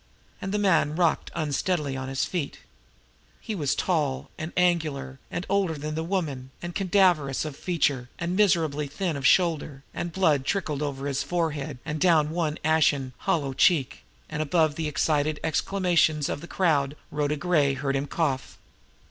And the man rocked unsteadily upon his feet. He was tall and angular, and older than the woman, and cadaverous of feature, and miserably thin of shoulder, and blood trickled over his forehead and down one ashen, hollow cheek and above the excited exclamations of the crowd Rhoda Gray heard him cough.